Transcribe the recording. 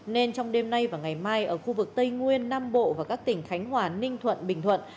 nên trong đêm nay và ngày mai ở khu vực tây nguyên nam bộ và các tỉnh khánh hòa ninh thuận bình thuận